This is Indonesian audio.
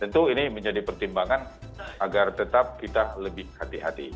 tentu ini menjadi pertimbangan agar tetap kita lebih hati hati